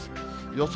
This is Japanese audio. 予想